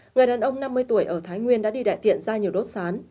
người đàn ông năm mươi tuổi ở thái nguyên đã đi đại tiện ra nhiều đốt sán